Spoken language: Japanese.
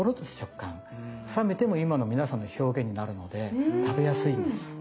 冷めても今の皆さんの表現になるので食べやすいんです。